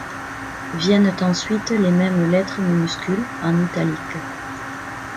Viennent ensuite les mêmes lettres minuscules en italique.